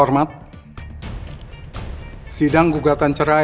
rasaku gak mungkin salah